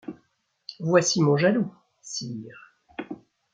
Voici mon jaloux, sire !